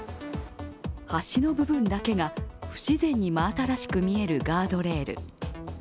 端の部分だけが不自然に真新しく見えるガードレール。